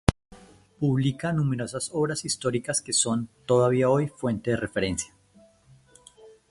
Publica numerosas obras históricas que son, todavía hoy, fuente de referencia.